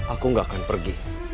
aku gak akan pergi